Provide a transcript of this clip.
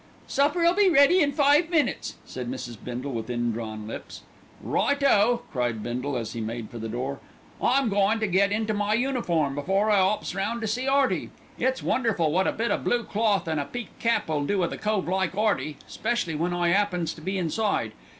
"Supper'll be ready in five minutes," said Mrs. Bindle with indrawn lips. "Right o!" cried Bindle as he made for the door. "I'm goin' to get into my uniform before I 'ops around to see 'Earty. It's wonderful wot a bit o' blue cloth and a peak cap'll do with a cove like 'Earty, specially when I 'appens to be inside.